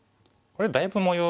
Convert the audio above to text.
これだいぶん模様